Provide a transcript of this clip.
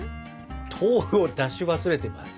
豆腐を出し忘れてます。